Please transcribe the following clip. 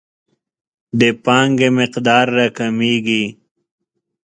د پانګې مقدار راکمیږي.